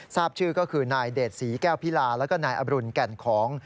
ทราบชื่อก็คือนายเดชศรีแก้วพิลาแล้วก็นายอรุณแก่นของ